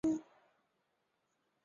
该种分布于中国。